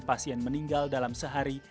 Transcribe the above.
pasien meninggal dalam sehari